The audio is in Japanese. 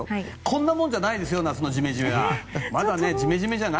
こんなもんじゃないですよ夏のジメジメは！